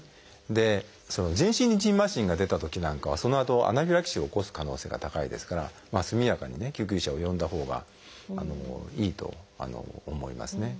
で全身にじんましんが出たときなんかはそのあとアナフィラキシーを起こす可能性が高いですから速やかに救急車を呼んだほうがいいと思いますね。